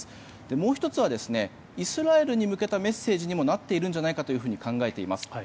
もう１つはイスラエルに向けたメッセージにもなっているんじゃないかと考えています。